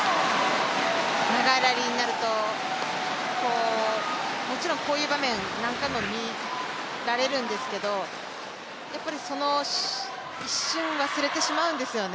長いラリーになるともちろんこういう場面、何回も見られるんですけれども、その一瞬忘れてしまうんですよね。